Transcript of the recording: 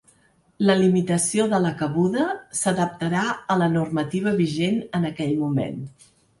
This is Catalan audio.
La limitació de la cabuda s’adaptarà a la normativa vigent en aquell moment.